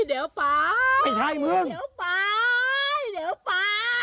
เดี๋ยวไปเดี๋ยวไปเดี๋ยวไป